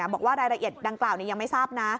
บอกว่ารายละเอียดดังกล่าวยังไม่ทราบนะ